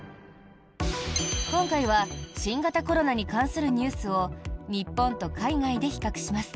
今回は新型コロナに関するニュースを日本と海外で比較します。